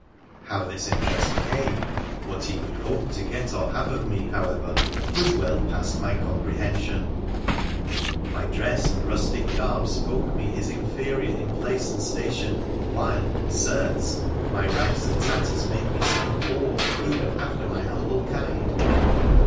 How this interest came, what he could hope to get or have of me, however, was well past my comprehension. My dress and rustic garb spoke me his inferior in place and station, while, certes ! my rag3 and tatters made me seem poor even after my humble kind.